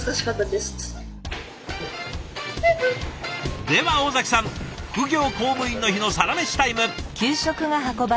では尾崎さん副業公務員の日のサラメシタイム。